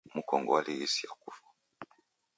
Mkongo w'alighisa kufwa